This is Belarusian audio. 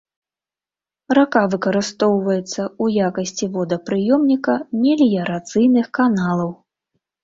Рака выкарыстоўваецца ў якасці водапрыёмніка меліярацыйных каналаў.